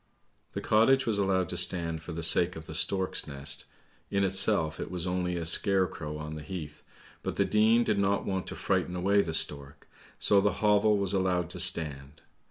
" The cottage was allowed to stand for the sake of the stork's nest, in itself it was only a scarecrow on the heath, but the Dean did not want to frighten away the stork, so the hovel was allowed to stand.